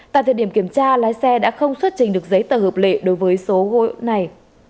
tại thời điểm kiểm tra lái xe đã không xuất trình được giấy tờ hợp lệ đối với số gôi này